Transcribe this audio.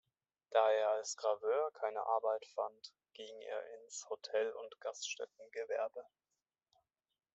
Da er als Graveur keine Arbeit fand, ging er ins Hotel- und Gaststättengewerbe.